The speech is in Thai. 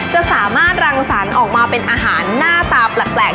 จะสามารถรังสรรค์ออกมาเป็นอาหารหน้าตาแปลก